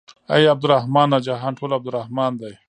اې عبدالرحمنه جهان ټول عبدالرحمن دى.